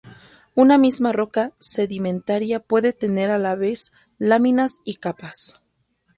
Una misma roca sedimentaria puede tener a la vez láminas y capas.